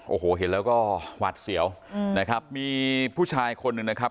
โอ้โหเห็นแล้วก็หวาดเสียวอืมนะครับมีผู้ชายคนหนึ่งนะครับ